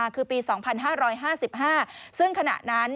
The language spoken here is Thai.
คือปี๒๕๕๕ซึ่งขณะนั้น